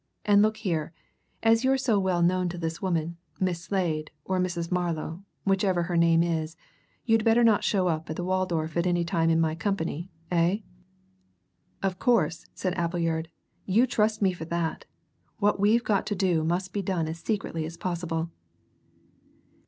And look here as you're so well known to this woman, Miss Slade or Mrs. Marlow, whichever her name is, you'd better not show up at the Waldorf at any time in my company, eh?" "Of course," said Appleyard. "You trust me for that! What we've got to do must be done as secretly as possible."